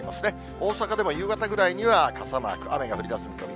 大阪では夕方ぐらいには傘マーク、雨が降りだす見込み。